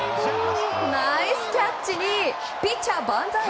ナイスキャッチにピッチャー万歳！